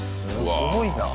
すごいな。